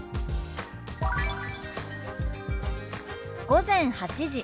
「午前８時」。